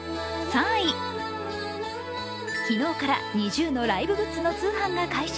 昨日からＮｉｚｉＵのライブグッズの通販が開始。